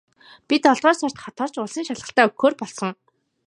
Би долоодугаар сард хот орж улсын шалгалтаа өгөхөөр болсон.